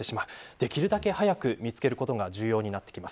できるだけ早く見つけることが重要になってきます。